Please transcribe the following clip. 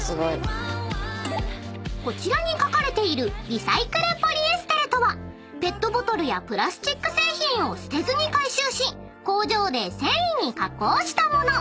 ［こちらに書かれているＲｅｃｙｃｌｅｄｐｏｌｙｅｓｔｅｒとはペットボトルやプラスチック製品を捨てずに回収し工場で繊維に加工した物］